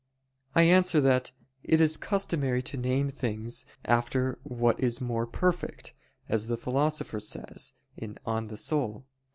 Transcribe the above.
I answer that, It is customary to name things after what is more perfect, as the Philosopher says (De Anima ii, 4).